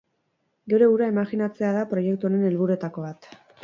Geure burua imajinatzea da proiektu honen helburuetako bat.